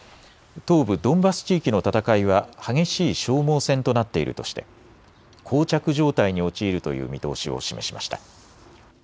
東部ドンバス地域の戦いは激しい消耗戦となっているとしてこう着状態に陥るという見通しを示しました。